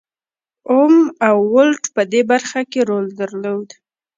اوم او ولټ په دې برخه کې رول درلود.